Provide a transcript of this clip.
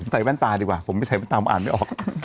แว่นตาดีกว่าผมไม่ใส่แว่นตาผมอ่านไม่ออก